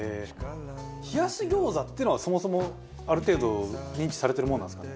冷やし餃子ってのはそもそもある程度認知されてるものなんですかね？